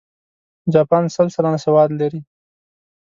جاپان سل سلنه سواد لري.